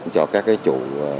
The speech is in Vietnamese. cho các cái chủ